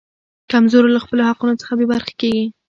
کمزورو له خپلو حقونو څخه بې برخې کیږي.